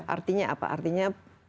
artinya apa artinya